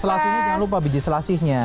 selasihnya jangan lupa biji selasihnya